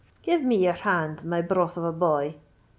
"Give me your hand, my broth of a boy!"